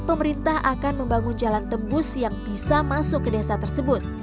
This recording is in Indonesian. pemerintah akan membangun jalan tembus yang bisa masuk ke desa tersebut